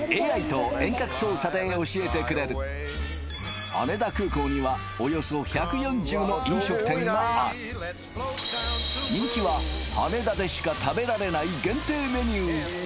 ＡＩと遠隔操作で教えてくれる羽田空港にはがある人気は羽田でしか食べられない限定メニュー